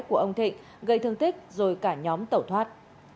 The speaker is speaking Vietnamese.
của ông thịnh gây thương tích rồi cả nhóm tẩu thoát